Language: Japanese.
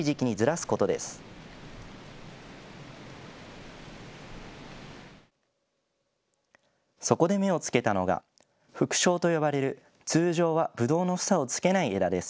そこで目を付けたのが副梢と呼ばれる通常はぶどうの房をつけない枝です。